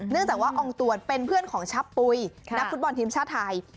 จากว่าองค์ตรวจเป็นเพื่อนของชับปุ๋ยนักฟุตบอลทีมชาติไทย